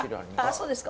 そうですか。